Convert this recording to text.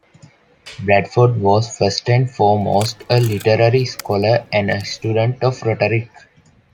Bradford was first and foremost a literary scholar and a student of rhetoric.